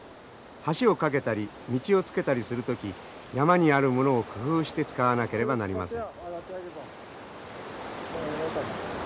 橋を架けたり道をつけたりする時山にあるものを工夫して使わなければなりません。